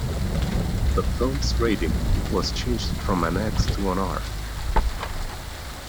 The film's rating was changed from an "X" to an "R".